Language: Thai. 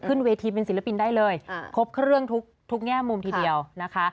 ขึ้นเวทีเป็นศิลปินได้เลยครบเครื่องทุกแง่มุมทีเดียวนะคะ